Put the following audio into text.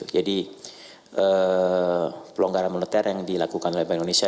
jadi pelonggaran moneter yang dilakukan oleh bank indonesia